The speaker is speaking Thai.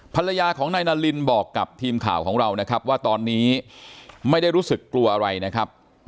ภรรยาของนายนารินบอกกับทีมข่าวของเรานะครับว่าตอนนี้ไม่ได้รู้สึกกลัวอะไรนะครับ